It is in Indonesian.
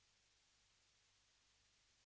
dia memerintah dan dia hidup bahagia selamanya